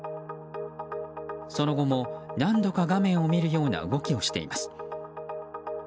その後も何度か画面を見るような動きをしています。